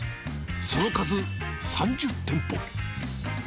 その数３０店舗。